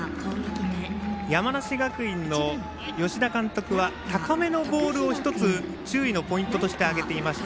山梨学院の吉田監督は高めのボールを１つ、注意のポイントとして挙げていました。